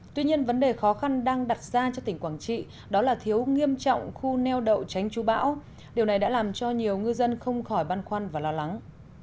tuy nhiên vấn đề khó khăn đang đặt ra cho tỉnh quảng trị đó là thiếu nghiêm trọng khu neo đậu tránh chú bão điều này đã làm cho nhiều ngư dân không khỏi băn khoăn và lo lắng